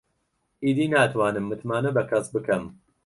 ئیدی ناتوانم متمانە بە کەس بکەم.